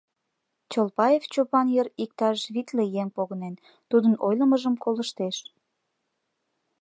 Чолпаев Чопан йыр иктаж витле еҥ погынен, тудын ойлымыжым колыштеш.